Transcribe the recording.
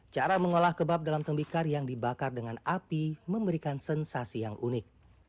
cara mengolah kebab dalam tembikar yang dibakar dengan api memberikan sensasi yang unik